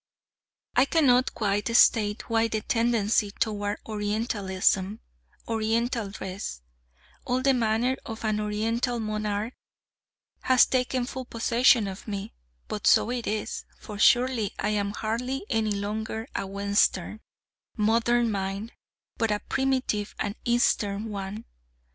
I cannot quite state why the tendency toward Orientalism Oriental dress all the manner of an Oriental monarch has taken full possession of me: but so it is: for surely I am hardly any longer a Western, 'modern' mind, but a primitive and Eastern one.